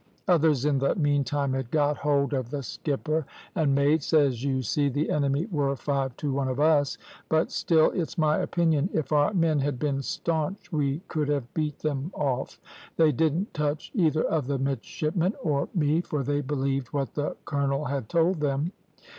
Others in the meantime had got hold of the skipper and mates, as you see the enemy were five to one of us, but still it's my opinion, if our men had been staunch, we could have beat them off. They didn't touch either of the midshipmen or me, for they believed what the colonel had told them.